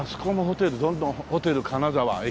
どんどんホテル金沢駅前のね。